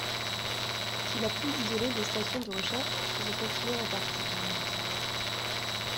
C'est la plus isolée des stations de recherche sur le continent Antarctique.